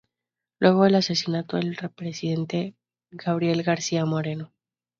Luego del asesinato del presidente Gabriel García Moreno.